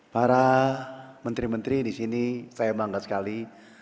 para menteri menteri disini saya bangga sekali